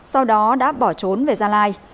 sau đó đã bỏ trốn về gia lai